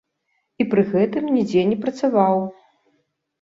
І пры гэтым нідзе не працаваў.